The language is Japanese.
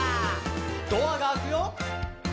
「ドアが開くよ」